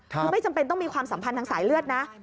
คือไม่จำเป็นต้องมีความสัมพันธ์ทางสายเลือดนะ